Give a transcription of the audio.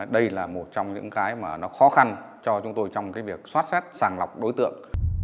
đây là một trong những cái mà nó khó khăn cho chúng tôi trong cái việc xót xét sàng lọc đối tượng